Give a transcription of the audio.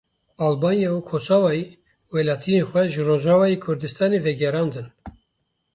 Albanya û Kosovoyê welatiyên xwe ji Rojavayê Kurdistanê vegerandin.